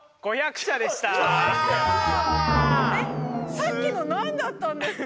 さっきの何だったんですか？